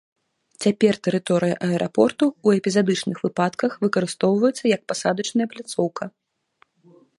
Цяпер тэрыторыя аэрапорту у эпізадычных выпадках выкарыстоўваецца як пасадачная пляцоўка.